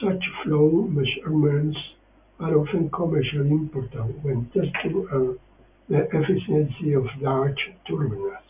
Such flow measurements are often commercially important when testing the efficiency of large turbines.